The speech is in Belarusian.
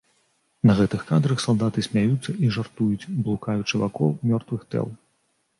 На гэтых кадрах салдаты смяюцца і жартуюць, блукаючы вакол мёртвых тэл.